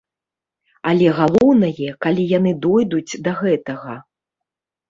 Але галоўнае, калі яны дойдуць да гэтага.